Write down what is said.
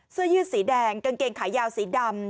เสื้อยืดสีแดงกางเกงขายาวสีดำ